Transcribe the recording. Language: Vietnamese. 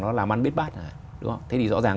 nó làm ăn biết bát rồi đúng không thế thì rõ ràng